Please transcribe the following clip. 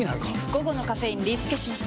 午後のカフェインリスケします！